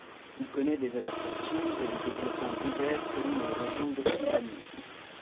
Il connaît des adaptations et des développements divers selon les régions d'Occitanie.